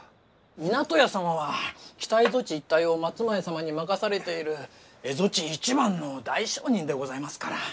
湊屋様は北蝦夷地一帯を松前様に任されている蝦夷地一番の大商人でございますから。